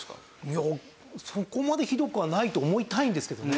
いやそこまでひどくはないと思いたいんですけどね。